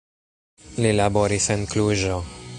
Li laboris en Kluĵo.